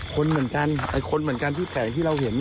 คนเหมือนกันไอ้คนเหมือนกันที่แฝงที่เราเห็น